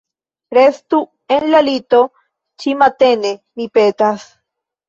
Restu en la lito ĉimatene, mi petas.